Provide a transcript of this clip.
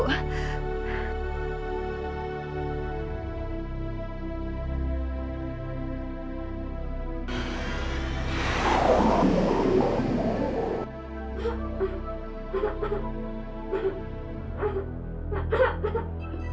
tidak ada apa apa